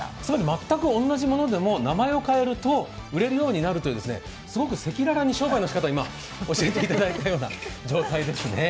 全く同じものでも名前を変えると、売れるようになるというすごく赤裸々に商売の仕方を今、教えていただいたような状態ですね。